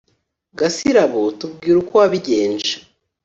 gasirabo tubwire uko wabigenje